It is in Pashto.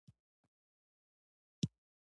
زردالو د افغانستان د زرغونتیا نښه ده.